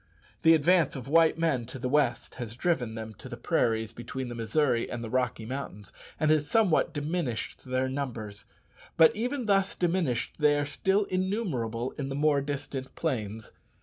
The advance of white men to the west has driven them to the prairies between the Missouri and the Rocky Mountains, and has somewhat diminished their numbers; but even thus diminished, they are still innumerable in the more distant plains.